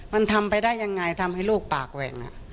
มันทำไปได้ยังไงทำให้ลูกปากแหว่ง